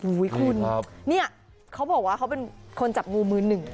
คุณเนี่ยเขาบอกว่าเขาเป็นคนจับงูมือหนึ่ง